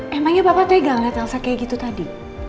pa emangnya papa tegang liat elsa kayak gitu tadi